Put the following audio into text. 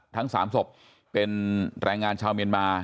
ทั้ง๓ศพเป็นแรงงานชาวเมียนมา